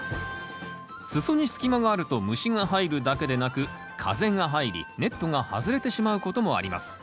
裾に隙間があると虫が入るだけでなく風が入りネットが外れてしまうこともあります。